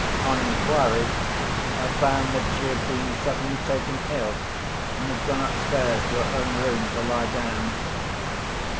On inquiry, I found that she had been suddenly taken ill, and had gone upstairs to her own room to lie down.